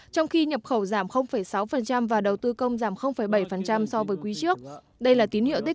trong khi nhập khẩu giảm sáu và đầu tư công giảm bảy so với quý trước đây là tín hiệu tích